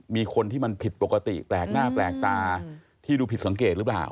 มีคนที่มันผิดปกติแปลกหน้าแปลกตาที่ดูผิดสังเกตหรือเปล่า